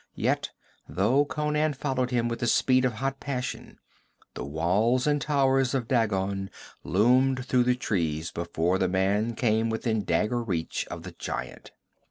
Yet though Conan followed him with the speed of hot passion, the walls and towers of Dagon loomed through the trees before the man came within dagger reach of the giant.